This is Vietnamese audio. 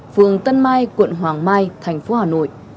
phường tân mai quận hoàng mai thành phố hà nội